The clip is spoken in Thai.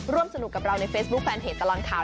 ร่วมสนุกกับเราในเฟซบุ๊คแฟนเพจตลอดข่าว